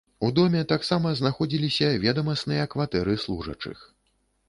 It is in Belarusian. У доме таксама знаходзіліся ведамасныя кватэры служачых.